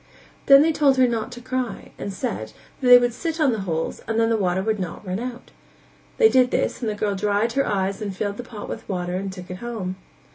Then they told her not to cry, and said, that they would sit on the holes and then the water would not run out; they did this and the girl dried her eyes and filled the pot with water and took it home.